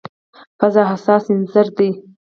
پزه حساس سینسر دی.